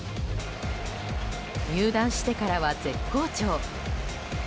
入団してからは絶好調！